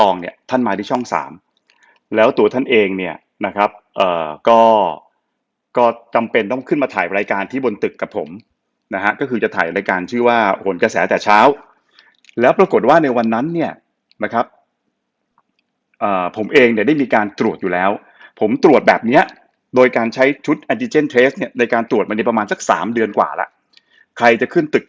เนี่ยท่านมาที่ช่องสามแล้วตัวท่านเองเนี่ยนะครับก็ก็จำเป็นต้องขึ้นมาถ่ายรายการที่บนตึกกับผมนะฮะก็คือจะถ่ายรายการชื่อว่าหนกระแสแต่เช้าแล้วปรากฏว่าในวันนั้นเนี่ยนะครับเอ่อผมเองเนี่ยได้มีการตรวจอยู่แล้วผมตรวจแบบเนี้ยโดยการใช้ชุดแอนติเจนเทรสเนี่ยในการตรวจมาในประมาณสักสามเดือนกว่าแล้วใครจะขึ้นตึก